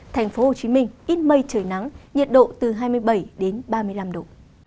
thành phố hồ chí minh ít mây trời nắng nhiệt độ từ hai mươi bảy đến ba mươi năm độ